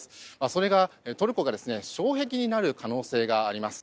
それが、トルコが障壁になる可能性があります。